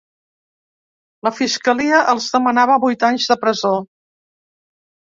La fiscalia els demanava vuit anys de presó.